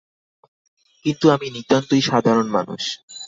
কিন্তু আমি নিতান্তই সাধারণ মানুষ।